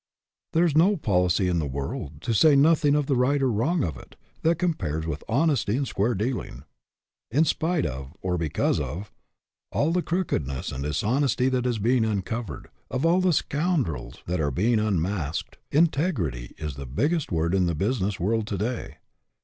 There is no policy in the world, to say nothing of the right or wrong of it, that compares with honesty and square dealing. In spite of, or because of, all the crooked ness and dishonesty that is being uncovered, of all the scoundrels that are being unmasked, integrity is the biggest word in the business world to day.